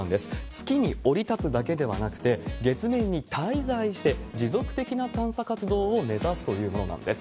月に降り立つだけではなくて、月面に滞在して、持続的な探査活動を目指すというものなんです。